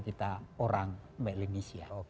kita orang melanesia